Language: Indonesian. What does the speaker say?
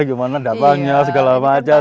gimana dapatnya segala macam